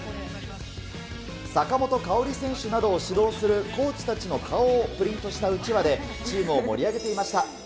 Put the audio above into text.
坂本花織選手などを指導するコーチたちの顔をプリントしたうちわで、チームを盛り上げていました。